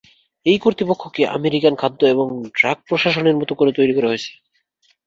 এই কর্তৃপক্ষকে আমেরিকান খাদ্য এবং ড্রাগ প্রশাসন-এর মতো করে তৈরি করা হয়েছে।